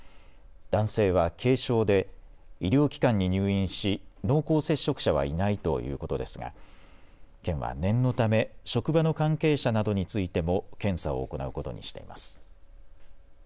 男性は軽症で医療機関に入院し、濃厚接触者はいないということですが県は念のため職場の関係者などについても検査を行うことにしています。